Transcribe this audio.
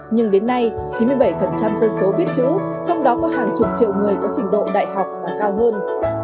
nhưng đến nay chín mươi bảy dân số biết chữ trong đó có hàng chục triệu người có trình độ đại học và cao hơn